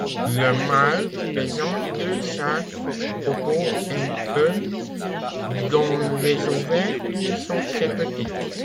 Le mâle présente deux sacs vocaux internes dont les ouvertures sont très petites.